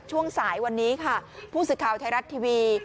ช่วงสายวันนี้ค่ะผู้สื่อข่าวไทยรัฐทีวี